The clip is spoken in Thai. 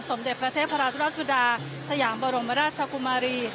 สมเด็จพระเทพราชุราชสุดาสยามบรมราชกุมารี